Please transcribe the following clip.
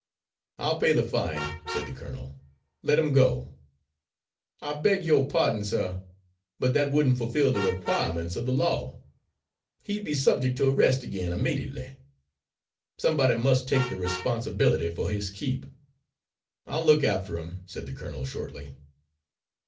"I'll pay the fine," said the colonel, "let him go." "I beg yo' pahdon, suh, but that wouldn't fulfil the requi'ments of the law. He'd be subject to arrest again immediately. Somebody must take the responsibility for his keep." "I'll look after him," said the colonel shortly.